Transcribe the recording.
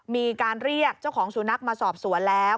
มีการเรียกเจ้าของสุนัขมาสอบสวนแล้ว